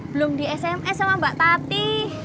belum di sma mbak tati